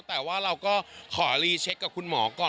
แต่ว่าเราก็ขอรีเช็คกับคุณหมอก่อน